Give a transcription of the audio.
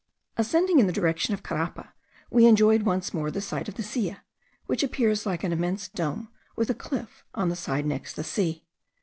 Ascending in the direction of Carapa, we enjoy once more the sight of the Silla, which appears like an immense dome with a cliff on the side next the sea.